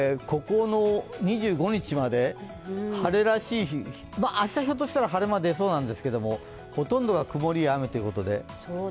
２５日まで、晴れらしい日明日、ひょっとしたら晴れ間が出そうなんですけれども、ほとんどが曇りや雨ということで。